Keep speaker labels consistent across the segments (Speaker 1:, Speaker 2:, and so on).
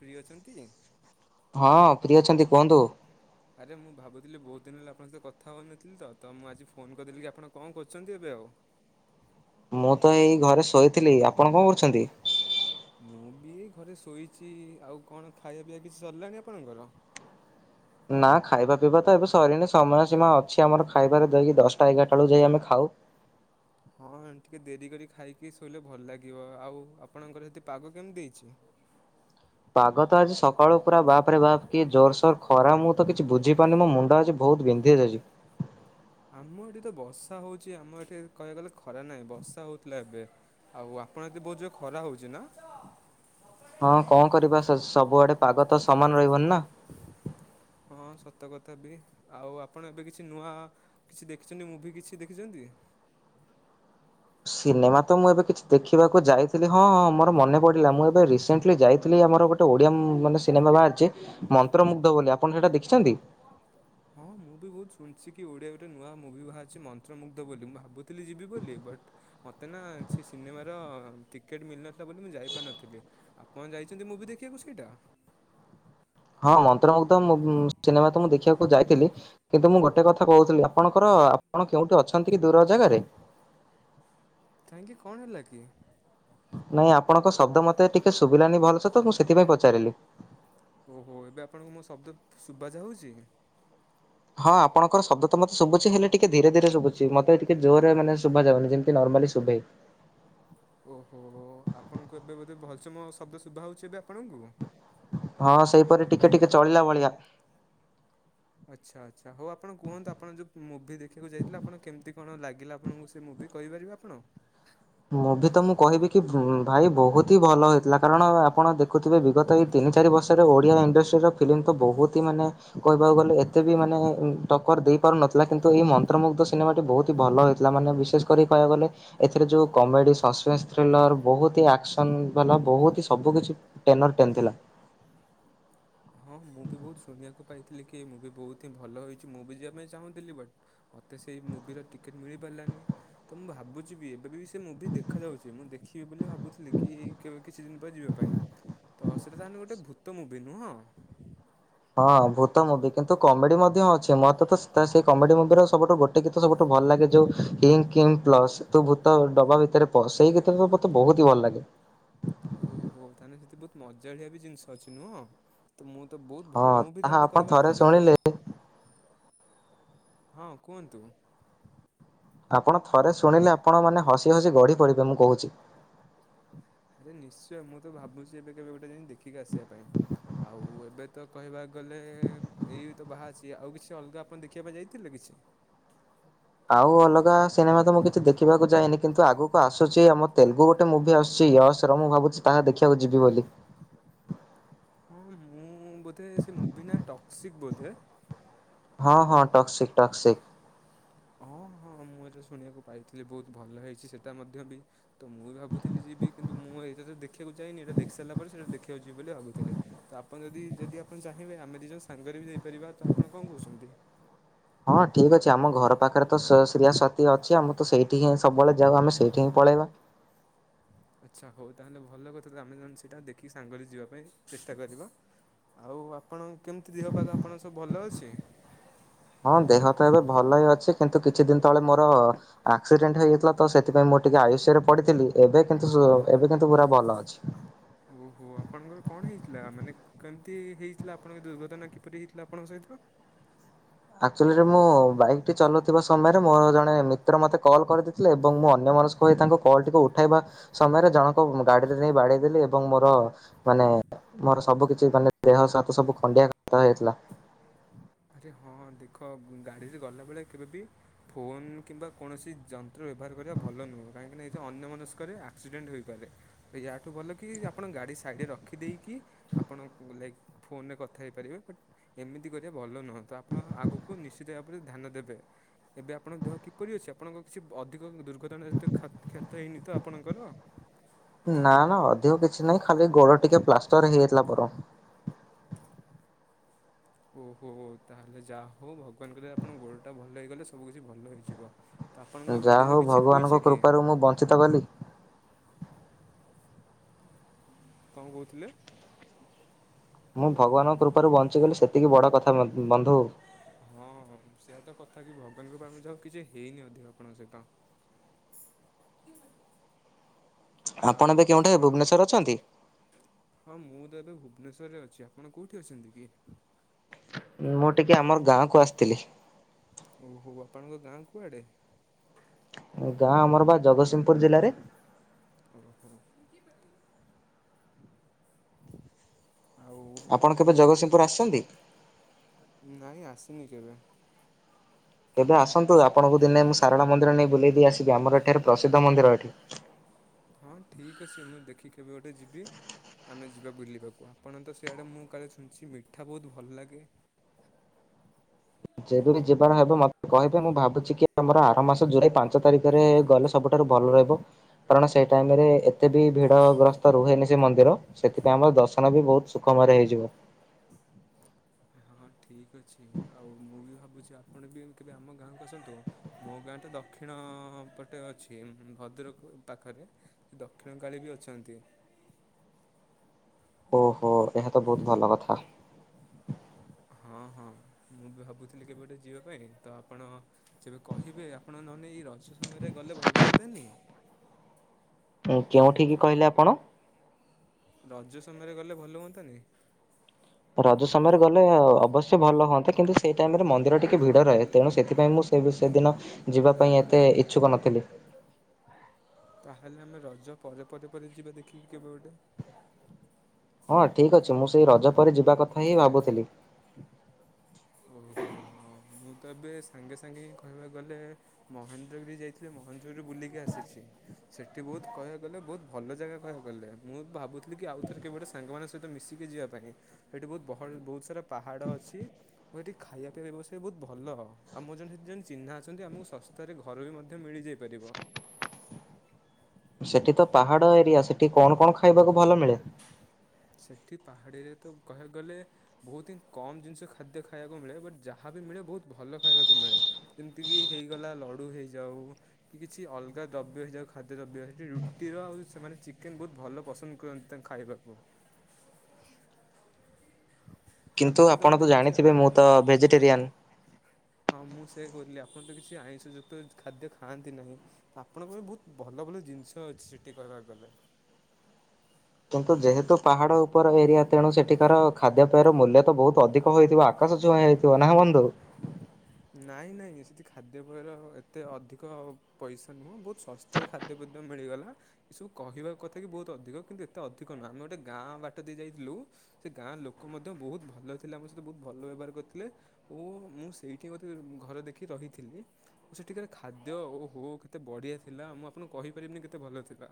Speaker 1: Free ଅଛନ୍ତି।
Speaker 2: ହଁ free ଅଛନ୍ତି କୁହନ୍ତୁ।
Speaker 1: ଆରେ ମୁଁ ଭାବୁଥିଲି ବହୁତ ଦିନ ହେଲା ଆପଣଙ୍କ ସହିତ କଥା ହେଉନଥିଲି ତ ମୁଁ ଆଜି ଫୋନ୍ କରିଦେଲିି କି ଆପଣ କଣ କରୁଛନ୍ତି ଏବେ ଆଉ?
Speaker 2: ମୁଁ ତ ଏଇ ଘରେ ଶୋଇଥିଲି ଆପଣ କଣ କରୁଛନ୍ତି?
Speaker 1: ମୁଁ ବି ଘରେ ଶୋଇଛି ଆଉ କଣ ଖାଇବା ପିଇବା କିଛି ସରିଲାଣି ଆପଣଙ୍କର?
Speaker 2: ନା ଖାଇବା ପିଇବା ତ ଏବେ ସରିନି ସମୟ ସୀମା ଅଛି ଆମର ଖାଇବାରେ ଦେଇକି ଦଶଟା ଏଗାରଟା ବେଳ ଯାଇ ଆମେ ଖାଉ।
Speaker 1: ହଁ ଟିକେ ଦେରି କରି ଖାଇକି ଶୋଇଲେ ଭଲ ଲାଗିବ ଆଉ ଆପଣଙ୍କର ସେଠି ପାଗ କେମିତି ଦେଇଛି?
Speaker 2: ପାଗ ତ ଆଜି ସକାଳୁ ପୁରା ବାପ ରେ ବାପ୍ କିଏ ଜୋରସୋର ଖରା ମୁଁ ତ କିଛି ବୁଝି ପାରୁନି ମୋ ମୁଣ୍ଡ ଆଜି ବହୁତ ବିନ୍ଧି ଦେଉଛି।
Speaker 1: ଆମ ଏଠି ତ ବର୍ଷା ହଉଛି ଆମ ଏଠି କହିବାକୁ ଗଲେ ଖରା ନାହିଁ ବର୍ଷା ହଉଥିଲା ଏବେ। ଆଉ ଆପଣ ଯଦି ବହୁତ ଯ ଖରା ହଉଛି ନା?
Speaker 2: ହଁ କଣ କରିବା ସବୁଆଡେ ପାଗ ତ ସମାନ ରହିବନି ନା।
Speaker 1: ହଁ ସତ କଥା ବି ଆଉ ଆପଣ ଏବେ କିଛି ନୂଆ କିଛି ଦେଖିଛନ୍ତି ମୁଭି କିଛି ଦେଖିଛନ୍ତି?
Speaker 2: ସିନେମା ତ ମୁଁ ଏବେ କିଛି ଦେଖିବାକୁ ଯାଇଥିଲି ହଁଁ ହଁ ମୋର ମନେ ପଢିଲା ମୁଁ ଏବେ ରିସଣ୍ଟଲି ଯାଇଥିଲ ଆମର ଗୋ ଗୋଟେ ଓଡିଆ ମାନେ ସିନେମା ବାହାରିଛି ମନ୍ତ୍ରମୁଗ୍ଧ ବୋଲି ଆପଣ ସେଇଟା ଦେଖିଛନ୍ତି।
Speaker 1: ହଁ ମୁଁ ବି ବହୁତ ଶୁଣିଛି କି ଓଡ଼ିଆ ଗୋଟେ ନୂଆ ମୁଭି ବାହାରିଛି ମନ୍ତ୍ରମୁଗ୍ଧ ବୋଲି ମୁଁ ଭାବୁ ଥିଲି ଜିବି ବୋଲି ବଟ୍ ମତେ ନା ସେ ସିନେମାର ଟିକେଟ୍ ମିଳିନଥିଲା ବୋଲି ମୁଁ ଯାଇପାରୁନଥିଲି। ଆପଣ ଯାଇଛନ୍ତି ମୁଭି ଦେଖିବାକୁ ସେଇଟା।
Speaker 2: ହଁ ମନ୍ତ୍ରମଗ୍ଧ ମୁ ସିନେମା ତ ମୁଁ ଦେଖିବାକୁ ଯାଇଥିଲି। କିନ୍ତୁ ମୁଁ ଗୋଟେ କଥା କହୁଥିଲି ଆପଣଙ୍କର ଆପଣ କେଉଁଠି ଅଛନ୍ତି କି ଦୂର ଜାଗାରେ।
Speaker 1: କାହିଁକି କଣ ହେଲା କି।
Speaker 2: ନାଇଁ ଆପଣଙ୍କ ଶବ୍ଦ ମତେ ଟିକେ ଶୁଭିଲାନି ଭଲ ସେ ତ ମୁଁ ସେଥିପାଇଁ ପଚାରିଲି।
Speaker 1: ଓହୋ ଏବେ ଆପଣଙ୍କୁ ମୋ ଶବ୍ଦ ସୁଭା ଜାଉଛି।
Speaker 2: ହଁ ଆପଣଙ୍କ ଶବ୍ଦ ତ ମତେ ଶୁଭୁଛି ହେଲେ ଟିକେ ଧୀରେ ଧୀରେ ଶୁଭୁଛି ମତେ ଟିକେ ଜୋରେ ମୋତେ ଶୁଭାଯାଉନି ଯେମିତି କି ନାର୍ମାଲି ଶୁଭେ।
Speaker 1: ଓହୋ ଆପଣଙ୍କୁ ଏବେ ବୋଧେ ଭଲସେ ମ ଶବ୍ଦ ଶୁଭାହଉଛି ଏବେ ଆପଣଙ୍କୁ।
Speaker 2: ହଁ ସେଇପରି ଟିକେ
Speaker 1: ହ୍ୟାଲୋ।
Speaker 2: ଟିକେ ଚଳିଲା ଭଳିଆ।
Speaker 1: ଆଚ୍ଛା ଆଚ୍ଛା ହଉ ଆପଣ କୁହନ୍ତୁ ଆପଣ ଯୋଉ ମୁଭି ଦେଖିବାକୁ ଯାଇଥିଲେ ଆପଣ କେମିତି କଣ ଲାଗିଲା ଆପଣଙ୍କୁ ସେ ସେ ମୁଭି କହିପାରିବେ ଆପଣ।
Speaker 2: ମୁଁଭି ତ ମୁଁ କହିବି କି ଭାଇ ବହୁତ ହି ଭଲ ହେଇଥିଲା କାରଣ ଆପଣ ଦେଖୁଥିବେ ବିଗତ ଏଇ ତିନି ଚାରି ବର୍ଷରେ ଓଡ଼ିଆ ଇଣ୍ଡଷ୍ଟ୍ରିର ଫିଲ୍ମ ତ ବହୁତ ହିଁ ମାନେ କହିବାକୁ ଗଲେ ଏତେ ବି ମାନେ ଟକର ଦେଇ ପାରୁନଥିଲା କିନ୍ତୁ ଏଇ ମ ନ୍ତ୍ରମୁଗ୍ଧ ସିନେମାଟି ବହୁତ ହି ଭଲ ହେଇଥିଲା ମାନେ ବିଶେଷ କରି କହିବାକୁ ଗଲେ ଏଥିରେ ଯୋଉ କମେଡ଼ି ସସ୍ପେନ୍ସ ଥ୍ରିଲର ବହୁତ ହି ଆକ୍ସନ୍ ବାଲା ବହୁତ ହି ସବୁ କିଛି ଟେନର୍ ଟେନ୍ ଥିଲା।
Speaker 1: ହଁ ମୁଁ ବି ବହୁତ ଶୁଣିବାକୁ ପାଇଥିଲି କି ମୁଭି ବହୁତ ହିଁ ଭଲ ହୋଇଛି ମୁଁ ବି ଯିବା ପାଇଁ ଚାହୁଁଥିଲି ବଟ୍ ମୋତେ ସେଇ ମୁଭିର ଟିକେଟ୍ ମିଳିପାରିଲାନି। ତ ମୁଁ ଭାବୁଛି ବି ଏବେ ବି ସେ ମୁଭି ଦେଖା ଯାଉଛି ମୁଁ ଦେଖିବି ବୋଲି ଭାବୁଥିଲି। କି କେବେ କିଛି ଦିନ ପରେ ଯିବା ପାଇଁ ତ ସେଇଟା ତାହେଲେ ଗୋଟେ ଭୂତ ମୁଭି ନୁହଁ।
Speaker 2: ହଁ ଭୂତ ମୁଭି କିନ୍ତୁ କମେଡି ମଧ୍ୟ ଅଛି ମତେତ ତ ସେଇ କମେଡି ମୁଭିର ସବୁଠୁ ଗୋଟେ ଗୋଟେ ଗୀତ ସବୁଠୁ ଭଲ ଲାଗେ ଯୋଉ ହିଙ୍ଗ କିଙ୍ଗ ପ୍ଲସ। ତୁ ଭୂତ ଡବା ଭିତରେ ପସ୍ ସେଇ ଗୀତଟି ତ ମତେ ବହୁତ ହି ଭଲ ଲାଗେ।
Speaker 1: ଓ ହୋ ହୋ ତାହେନେ ସେଠି ବହୁତ ମଜାଳିଆ ବି ଜିନିଷ ଅଛି ନୁହଁ। ତ ମୁଁ ତ ବହୁତ
Speaker 2: ହଁ
Speaker 1: ଭଲ ହ ବି
Speaker 2: ତାହା
Speaker 1: ତାହେଲେ
Speaker 2: ଆପଣ
Speaker 1: କହିବାକୁ
Speaker 2: ଥରେ
Speaker 1: ଗଲେ ତ।
Speaker 2: ଶୁଣିଲେ
Speaker 1: ହଁ କୁହନ୍ତୁ।
Speaker 2: ଆପଣ ଥରେ ଶୁଣିଲେ ଆପଣ ମାନେ ହସି ହସି ଗଢ଼ି ପଡ଼ିବେ ମୁଁ କହୁଛି।
Speaker 1: ଆରେ ନିଶ୍ଚୟ ମୁଁ ତ ଭାବୁଛି ଏବେ କେବେ ଗୋଟେ ଜାଇକି ଦେଖିକି ଆସିବା ପାଇଁ ଆଉ ଏବେ ତ କହିବା ଗଲେ ଏଇ ତ ବାହାଛି ଆଉ କିଛି ଅଲଗା ଆପଣ ଦେଖିବା ପାଇଁ ଯାଇଥିଲେ କିଛି।
Speaker 2: ଆଉ ଅଲଗା ସିନେମା ତ ମୁଁ କିଛି ଦେଖିବାକୁ ଯାଇନି କିନ୍ତୁ ଆଗକୁ ଆସୁଛି ଆମ ତେଲୁଗୁ ଗୋ ଟେ ମୁଭି ଆସୁଛି ୟାସ୍ ର ମୁଁ ଭାବୁଛି ତାହା ଦେଖିବାକୁ ଯିବି ବୋଲି।
Speaker 1: ହଁ ମୁଁ ବୋଧେ ସେ ମୁଭି ନା ଟକ୍ସିକ ବୋଧେ।
Speaker 2: ହଁ ହଁ ଟକ୍ସିକ ଟକ୍ସିକ୍।
Speaker 1: ହଁ ହଁ। ହଁ ମୁଁ ଏଟା ଶୁଣିବାକୁ ପାଇଥିଲି ବହୁତ ଭଲ ହେଇଛି ସେଟା ମଧ୍ୟ ବି ତ ମୁଁ ଭାବୁଥିଲି ଯିବି କିନ୍ତୁ କିନ୍ତ ମୁଁ ଏଇଟା ତ ଦେଖିବାକୁ ଯାଇନି ଏଇଟା ଦେଖି ସାରିଲା ପରେ ସେଟା ଦେଖୀବାକୁ ଯିବି ବୋଲି ଭାବୁଥିଲି। ତ ଆପଣ ଯଦି ଯଦି ଆପଣ ଚାହିଁବେ ଆମେ ଦି ଜଣ ସାଙ୍ଗରେ ବି ଯାଇପାରିବା ତ ଆପଣ କଣ କହୁଛନ୍ତି।
Speaker 2: ହଁ ଠିକ୍ ଅଛି ଆମ ଘର ପାଖରେ ତ ଶ ଶ୍ରୀୟା ସାତୀ ଅଛି ଆମ ତ ସେଇଠି ହିଁ ସବୁବେଳେ ଯାଉ ଆମେ ସେଇଠି ହିଁ ପଳେଇବା।
Speaker 1: ଆଚ୍ଛା ହଉ ତାହେନେ ଭଲ କଥା ଆମେ ଦି ଜଣ ସେଇଟା ଦେଖିକ ସାଙ୍ଗରେ ଯିବା ପାଇଁ ଚେଷ୍ଟା କରିବା। ଆଉ ଆପଣଙ୍କ କେମିତି ଦେହ ପାଖ ଆପଣଙ୍କ ସବୁ ଭଲ ଅଛି।
Speaker 2: ହଁ ଦେହ ତ ଏବେ ଭଲ ହିଁ ଅଛି କିନ୍ତୁ କିଛି ଦିନ ତଳେ ମୋର ଆକ୍ସିଡେଣ୍ଟ ହେଇଯାଇଥିଲା ତ ସେଥିପାଇଁ ମୁଁ ଟିକେ ଆଇ ସି ୟୁ ରେ ପଡିଥିଲି ଏବେ କିନ୍ତୁ ସ ଏବେ କିନ୍ତୁ ପୁରା ଭଲ। ଅଛି।
Speaker 1: ଓହୋ ଆପଣଙ୍କର କଣ ହେଇଥିଲା ମାନେ କେମିତି ହେଇଥିଲା ଆପଣଙ୍କ ଦୁର୍ଘଟଣା କିପରି ହେଇଥିଲା ଆପଣଙ୍କ ସହିତ।
Speaker 2: ଆଚୁଆଲି ମୁଁ ବାଇକ୍ ଟି ଚଲାଉଥିବା ସମୟରେ ମୋର ଜଣେ ମିତ୍ର ମତେ କଲ୍ କରି ଏବଂ ମୁଁ ଅନ୍ୟମାନଙ୍କ ଭ ତାଙ୍କ କଲ୍ ଟିକକୁ ଉଠି ଉଠେଇବା ସମୟରେ ଜଣକ ଗାଡିରେ ନେଇ ବାଡେଇଦେଲି ଏବଂ ମୋର ମାନେ ମୋର ସବୁ କିଛି ମାନେ ଦେହ ସାତ ସବୁ ଖଣ୍ଡିଆ ଖ ହେଇଥିଲା।
Speaker 1: ଆରେ ହଁ ଦେଖ ଗାଡିରେ ଗଲାବେେଳେ କେବେ ବି ଫୋନ୍ କିମ୍ବା କୌଣସି ଯନ୍ତ୍ର ବ୍ୟବହାର କରିବା ଭଲ ନୁହେଁ କାହିଁକି ନାନା ଏ ଯେ ଅନ୍ୟ ମନସ୍କରେ ଆକ୍ସିଡେଣ୍ଟ ହୋଇପାରେ। ୟାଠୁ ଭଲ କି ଆପଣ ଗାଡ଼ି ସାଇଡ଼େ ରଖିଦେଇକି ଆପଣ ଲାଇକ୍- ଫୋନରେ କଥା ହେଇପାରିବେ ବଟ୍ ଏମିତି କରିବା ଭଲ ନୁହଁତା ଆପଣ ଆଗକୁ ନିଶ୍ଚିତ ଧ୍ୟାନ ଦେବେ। ଏବେ ଆପଣଙ୍କ ଦେହ କିପରି ଅଛି ଆପଣଙ୍କ କିଛି ଅଧିକ ଦୁର୍ଘଟଣା ଜ କ୍ଷତ ହେଇନି ତ ଆପଣଙ୍କର
Speaker 2: ନା ନା ଅଧିକ କିଛି ନାହିଁ ଖାଲି ଗୋଡ ଟିକେ ପ୍ଲାଷ୍ଟର ହେଇଯାଇଥିଲା ମୋର।
Speaker 1: ଓହୋ ତାହେଲେ ଯାହା ହଉ ଭଗବାନ କିଲ ଆପଣଙ୍କ ଗୋଡ଼ଟା ଭଲ ହେଇଗଲେ ସବୁ କିଛି ଭଲ ହେଇଯିବ। ତ ଆପଣଙ୍କ
Speaker 2: ଯାହା
Speaker 1: ଗାଡ଼ିର
Speaker 2: ହଉ
Speaker 1: କିଛି
Speaker 2: ଭଗବାନଙ୍କ
Speaker 1: ହୋଇଛି କି?
Speaker 2: କୃପାରୁ ମୁଁ ବଞ୍ଚିତ କଲି।
Speaker 1: କ'ଣ କହୁଥିଲେ?
Speaker 2: ମୁଁ ଭଗବାନଙ୍କ କୃପାରୁ ବଞ୍ଚିଗଲି ସେତିକି ବଡ କଥା ବନ୍ଧୁ।
Speaker 1: ହଁ ସେଆ ତ କଥା କି ଭଗବାନଙ୍କ ପାଝ ଆଉ କିଛି ହେଇନି ଅଧିକ ଆପଣଙ୍କ ସହିତ। ଆଉ
Speaker 2: ଆପଣ ଏବେ କେଉଁଠାରେ
Speaker 1: ଆପଣ
Speaker 2: ଭୁବନେଶ୍ୱର ଅଛନ୍ତି?
Speaker 1: ହଁ ମୁଁ ତ ଏବେ ଭୁବନେଶ୍ଵରରେ ଅଛି ଆପଣ କୋଉଠି ଅଛନ୍ତି କି?
Speaker 2: ମୁଁ ଟିକେ ଆମର ଗାଁ କ ଆସିଥିଲି।
Speaker 1: ଓହୋ ଆପଣଙ୍କ ଗାଁ କୁଆଡେ?
Speaker 2: ଗାଁ ଆମର ବା ଜଗତସିଂହପୁର ଜିଲ୍ଲାରେ।
Speaker 1: ଓହୋ ଆଉ
Speaker 2: ଆପଣ
Speaker 1: କ'ଣ
Speaker 2: କେବେ
Speaker 1: କହୁଥିଲେ?
Speaker 2: ଜଗତସିଂହପୁର ଆସିଛନ୍ତି?
Speaker 1: ନାଇଁ ଆସିନି କେବେ।
Speaker 2: ଏବେ ଆସନ୍ତୁ ଆପଣଙ୍କୁ ଦିନେ ମୁଁ ସାରଳା ମନ୍ଦିର ନେଇ ବୁଲେଇ ଦେଇ ଆସିବି ଆମର ଏଠାରେ ପ୍ରସିଦ୍ଧ ମନ୍ଦିର ଏଠି
Speaker 1: ହଁ ଠିକ୍ ଅଛି ମୁଁ ଦେଖି କେବେ ଗୋଟେ ଯିବି। ଆମେ ଯିବା ବୁଲିବାକୁ ଆପଣ ତ ସିଆଡ଼େ ମୁଁ କାଳେ ଶୁଣିଚି ମିଠା ବହୁତ ଭଲ ଲାଗେ।
Speaker 2: ଯେବେ ବି ଯିବାର ହବ ମତେ କହିବେ ମୁଁ ଭାବୁଛି କି ଆମର ଆର ମାସ ଜୁଲାଇ ପାଞ୍ଚ ତାରିଖରେ ଗଲେ ସବୁଠାରୁ ଭଲ ରହିବ କାରଣ ସେ ଟାଇମ ରେ ଏତେ ବି ଭିଡ ଗ୍ରସ୍ତ ରୁହେନି ସେ ମନ୍ଦିର। ସେଥିପାଇଁ ଆମର ଦର୍ଶନ ବି ବହୁତ ସୁଖମୟରେ ହେଇଯିବ।
Speaker 1: ହଁ ଠିକ ଅଛି ଆଉ ମୁଁ ବି ଭାବୁଚି ଆପଣ ବି କେବେ ଆମ ଗାଁକୁ ଆସନ୍ତୁ। ମୋ ଗାଁ ତ ଦକ୍ଷିଣ ପଟେ ଅଛି ଭଦ୍ରକ ପାଖରେ। ଦକ୍ଷିଣ କାଳି ବି ଅଛନ୍ତି।
Speaker 2: ଓହୋ ଏହା ତ ବହୁତ ଭଲ କଥା।
Speaker 1: ହଁ ହଁ ମୁଁ ବି ଭାବୁଥିଲି କେବେଗୋଟେ ଯିବା ପାଇଁ ତ ଆପଣ ତେବେ କହିବେ ଆପଣ ନହେଲେ ଏଇ ରଜ ସମୟରେ ଗଲେ ଭଲ ହୁଅନ୍ତାନି?
Speaker 2: ଉଁ କେଉଁଠିକି କହିଲେ ଆପଣ?
Speaker 1: ରଜ ସମୟରେ ଗଲେ ଭଲ ହୁଅନ୍ତାନି?
Speaker 2: ରଜ ସମୟରେ ଗଲେ ଅବଶ୍ୟ ଭଲ ହୁଅନ୍ତା କିନ୍ତୁ ସେଇ ଟାଇମରେ ମନ୍ଦିର ଟିକେ କେ ଭିଡ ରହେ ତେଣୁ ସେଥିପାଇଁ ମୁଁ ସେ ସେଦିନ ଯିବା ପାଇଁ ଏତେ ଇଚ୍ଛୁକ ନଥିଲି।
Speaker 1: ତାହେଲେ ଆମେ ରଜ ପରେ ପରେ ପରେ ଯିବା ଦେଖିକି କେବେ ଗୋଟେ।
Speaker 2: ହଁ ଠିକ୍ ଅଛି ମୁଁ ସେଇ ରଜପରେ ଯିବା କଥା ହିଁ ଭାବୁଥିଲି।
Speaker 1: ଓହୋ ହଁ ମୁଁ ତ ଏବେ ସାଙ୍ଗେ ସାଙ୍ଗେ ହି କହିବାକୁ ଗଲେ ମହେନ୍ଦ୍ରଗିରି ଯାଇଥିଲି ମହେନ୍ଦ୍ରଗିରି ରୁ ବୁଲିକି ଆସିଚି। ସେଠି ବହୁତ କହିବାକୁ ଗଲେ ବହୁତ ଭଲ ଜାଗା କହିବାକୁ ଗଲେ ମୁଁ ଭାବୁଥିଲି କି ଆଉ ଥରେ କେବେ ଗୋଟେ ସାଙ୍ଗମାନଙ୍କ ସହିତ ମିଶିକି ଯିବା ପାଇଁ ସେଇଠି ବହୁତ ବ ବହୁତ ସାରା ପାହାଡ଼ ଅଛି। ମୁଁ ସେଠି ଖାଇବା ପିଇବା ବ୍ୟବସ୍ତା ବହୁତ ଭଲ ଆମର ଜଣେ ସେଠି ଚିହ୍ନାଅଛନ୍ତି ଆମକୁ ଶସ୍ତାରେ ଘର ବି ମଧ୍ୟ ମିଳିଯାଇପାରିବ।
Speaker 2: ସେଠି ତ ପାହାଡ ଏରିଆ ସେଠି କଣ କଣ ଖାଇବାକୁ ଭଲ ମିଳେ?
Speaker 1: ସେଠି ପାହାଡିରେ ତ କହିବାକୁ ଗଲେ ବହୁତ ହିଁ କମ୍ ଜିନିଷ ଖାଦ୍ୟ ଖାଇବାକୁ ମିଳେ ବଟ୍ ଯାହାବି ମିଳେ ବହୁତ ଭଲ ଖାଇବାକୁ ମିଳେ। ଏମିତିକି ହେଇଗଲା ଲଡୁ ହେଇଯାଉ। କି କିଛି ଅଲଗା ଦ୍ରବ୍ୟ ହେଇଯାଉ ଖାଦ୍ୟ ଦ୍ରବ୍ୟ ସେଠି ରୁଟିର ଆଉ ସେମାନେ ଚିକେନ୍ ବହୁତ ଭଲ ପସନ୍ଦ କର ତା ଖାଇବାକୁ। [inaudible]
Speaker 2: କିନ୍ତୁ ଆପଣ
Speaker 1: ବୋଧେ
Speaker 2: ତ
Speaker 1: କିଛି ଆ
Speaker 2: ଜାଣିଥିବେ ମୁଁ ତ ଭେଜିଟେରିଆନ୍?
Speaker 1: ହଁ ମୁଁ ସେଇଆ କହୁଥିଲି ଆପଣ ତ କିଛି ଆଇଁଷ ଯୁକ୍ତ ଖାଦ୍ୟ ଖାଆନ୍ତି ନାହିଁ। ଆପଣଙ୍କ ପାଇଁ ବହୁତ ଭଲ ଭଲ ଜିନିଷ ଅଛି ସେଠି କହିବାକୁ ଗଲେ।
Speaker 2: କିନ୍ତୁ ଯେହେତୁ ପାହାଡ଼ ଉପର ଏରିଆ ତେଣୁ ସେଠିକାର ଖାଦ୍ୟ ପେୟର ମୂଲ୍ୟ ତ ବହୁତ ଅଧିକ ହୋଇଥିବ ଆ ଆକାଶ ଛୁଆଁ ହେଇଥିବା ନାଁ ବନ୍ଧୁ?
Speaker 1: ନାଇଁ ନାଇଁ ସେଠି ଖାଦ୍ୟପେୟର ଏତେ ଅଧିକ ପଇସା ନୁହଁ ବହୁତ ଶ ତେ ଖାଦ୍ୟ ଫାଦ୍ୟ ମିଳିଗଲା। ଏସବୁ କହିବା କଥା କି ବହୁତ ଅଧିକ କିନ୍ତୁ ଏତେ ଅଧିକ ନୁହଁ ଆମେ ଗୋଟେ ଗାଁ ବାଟ ଦେଇ ଯାଇଥିଲୁ। ସେ ଗାଁର ଲୋକ ମଧ୍ୟ ବହୁତ ଭଲଥିଲେ ଆମ ସହିତ ବହୁତ ଭଲ ବ୍ୟବହାର କରିଥିଲେ ଓ ମୁଁ ସେ ଏଇଠି ବୋଧେ ଘର ଦେଖି ରହିଥିଲି। ସେଠିକାର ଖାଦ୍ୟ ଓହୋ କେତେ ବଢ଼ିଆ ଥିଲା ମୁଁ ଆପଣଙ୍କୁ କହିପାରିବିନି କେତେ ଭଲ ଥିଲା।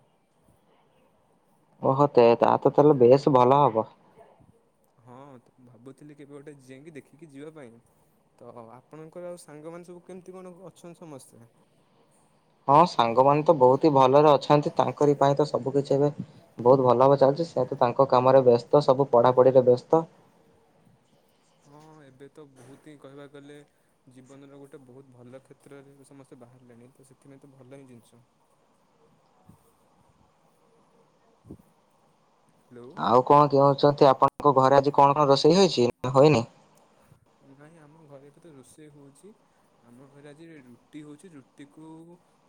Speaker 2: ଓହୋ ତେ ତାହେଲେ ବେଶ ଭଲ ହବ।
Speaker 1: ହଁ ଭାବୁଥିଲି କେବେ ଗୋଟେ ଜିଇଁକି ଦେଖିକି ଯିବା ପାଇଁ। ତ ଆପଣଙ୍କର ଆଉ ସାଙ୍ଗମାନେ ସବୁ କେମିତି କଣ ଅଛନ୍ତି ସମସ୍ତେ?
Speaker 2: ହଁ ସାଙ୍ଗମାନେ ତ ବହୁତ ହି ଭଲରେ ଅଛନ୍ତି ତାଙ୍କରି ପାଇଁ ତ ସବୁ କିଛି ଏବେ ବହୁତ ଭଲ ଭାବରେ ଚାଲିଚି ସେ ତ ତାଙ୍କ କାମରେ ବ୍ୟସ୍ତ ସବୁ ପଢାପଢିରେ ବ୍ୟସ୍ତ।
Speaker 1: ହଁଁ ଏବେ ତ ବହୁତ ହିଁ କହିବାକୁ ଗଲେ ଜୀବନର ଗୋଟେ ବହୁତ ଭଲ କ୍ଷେତ୍ରରେ ସମସ୍ତେ ବାହାରିଲେଣି ତ ସେଥିପାଇଁ ତ ଭଲ ହିଁ ଜିନିଷ। ହ୍ୟାଲୋ
Speaker 2: ଆଉ କଣ କହୁଛନ୍ତି ଆପଣଙ୍କ ଘରେ ଆଜି କଣ ରୋଷେଇ ହେଇଚି ନା ହୋଇନି?
Speaker 1: ନାଇଁ ଆମ ଘରେ ଏବେ ତ ରୋଷେଇ ହଉଚି। ଆମ ଘରେ ଆଜି ରୁଟି ହଉଚି ରୁଟିକୁ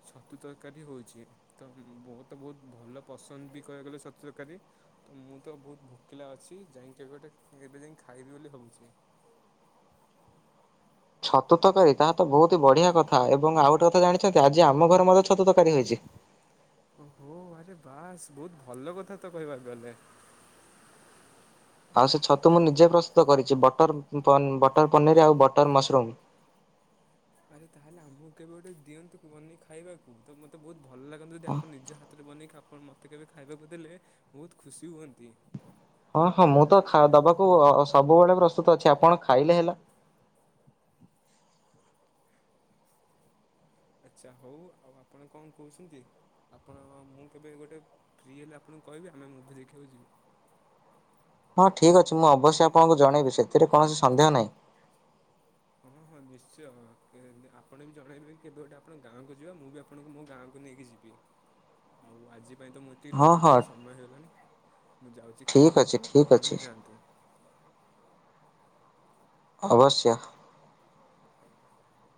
Speaker 1: ଛତୁ ତରକାରୀ ହଉଛି ତ ମ ତ ବହୁତ ଭଲ ପସନ୍ଦ ବି କହିବାକୁ ଗଲେ ଛତୁ ତରକାରୀ। ତ ମୁଁ ତ ବହୁତ ଭୋକିଲା ଅଛି ଯାଇଁକ କେବେ ଗୋଟେ ଏବେ ଯାଇ ଖାଇବି ବୋଲି ଭାବୁଛି।
Speaker 2: ଛତୁତକାରୀ ତାହା ତ ବହୁତ ବଢିଆ କଥା ଏବଂ ଆଉ ଗୋଟେ କଥା ଜାଣିଛନ୍ତି ଆଜି ଆମ ଘରେ ମଧ୍ୟ ଛତୁତକାରୀ ହେଇଛି।
Speaker 1: ଓହୋ ଆରେ ବାସ୍ ବହୁତ ଭଲ କଥା ତ କହିବାକୁ ଗଲେ।
Speaker 2: ଆଉ ସେ ଛତୁ ମୁଁ ନିଜେ ପ୍ରସ୍ତୁତ କରିଛି ବଟର ବଟର ପନିର ଆଉ ବଟର ମସରୁମ୍।
Speaker 1: ଆରେ ତାହେଲେ ଆମକୁ କେବେ ଗୋଟେ ଦିଅନ୍ତୁ ବନିକି ଖାଇବାକୁ? ତ ମୋତେ ବହୁତ ଭଲ ଲାଗନ୍ତା ଯଦି ଆପଣ ନିଜ ହାତରେ ବନେଇକି ଖା ଆପଣ ମୋତେ କେବେ ଖାଇବାକୁ ଦେଲେ ବହୁତ ଖୁସି ହୁଅନ୍ତି।
Speaker 2: ହଁ ହଁ ମୁଁ ତ ଦବାକୁ ସବୁବେଳେ ପ୍ରସ୍ତୁତ ଅଛି ଆପଣ ଖାଇଲେ ହେଲା।
Speaker 1: ଆଚ୍ଛା ହଉ ଆଉ ଆପଣ କଣ କହୁଛନ୍ତି? ଆପଣ ମୁଁ କେବେ ଗୋଟେ ଫ୍ରି ହେଲେ ଆପଣଙ୍କୁ କହିବି ଆମେ ମୁଭି ଦେଖିବାକୁ ଯିବୁ।
Speaker 2: ହଁ ଠିକ୍ ଅଛି ମୁଁ ଅବଶ୍ୟ ଆପଣଙ୍କୁ ଜଣେଇବି ସେଥିରେ କୌଣସି ସନ୍ଦେହ ନାହିଁ।
Speaker 1: ହଁ ହଁ ନିଶ୍ଚୟ ଆପଣ ବି ଜଣାଇବେ କେବେ ଗୋଟେ ଆପଣ ଗାଁକୁ ଯିବା ମୁଁ ବି ଆପଣଙ୍କୁ ମୋ ଗାଁକୁ ନେଇକି ଯିବି। ହଉ ଆଜି ପାଇଁ ତ ମୁଁ ଏତିକି
Speaker 2: ହଁ ହଁ
Speaker 1: ରଖୁଛି ସମୟ ହେଲାଣି ମୁଁ ଯାଉ
Speaker 2: ଠିକ୍ ଅଛି
Speaker 1: ଖାଇବାକୁ
Speaker 2: ଠିକ୍
Speaker 1: ଆପଣ
Speaker 2: ଅଛି
Speaker 1: ବି ଯାଆନ୍ତୁ।
Speaker 2: ଅବଶ୍ୟ।
Speaker 1: [inaudible]